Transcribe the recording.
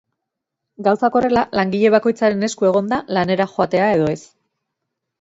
Gauzak horrela, langile bakoitzaren esku egon da lanera joatea edo ez.